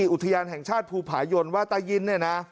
อุทยานแห่งชาติภูผายนว่าตายินเนี่ยนะ